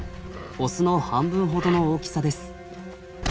オスの半分ほどの大きさです。